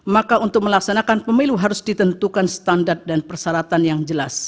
maka untuk melaksanakan pemilu harus ditentukan standar dan persyaratan yang jelas